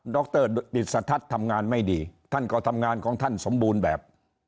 รดิสทัศน์ทำงานไม่ดีท่านก็ทำงานของท่านสมบูรณ์แบบ